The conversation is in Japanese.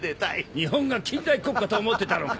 日本が近代国家と思ってたのか。